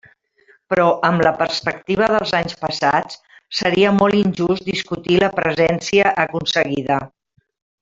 Però amb la perspectiva dels anys passats seria molt injust discutir la presència aconseguida.